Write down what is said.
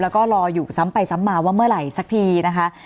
แล้วก็รออยู่ซ้ำไปซ้ำมาว่าเมื่อไหร่สักทีนะคะ